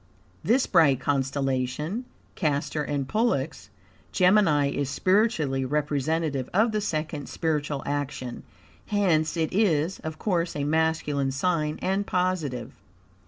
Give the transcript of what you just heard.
This bright constellation (Castor and Pollux), Gemini, is spiritually representative of the second spiritual action. Hence it is, of course, a masculine sign and positive.